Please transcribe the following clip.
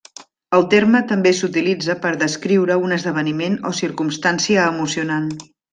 El terme també s'utilitza per descriure un esdeveniment o circumstància emocionant.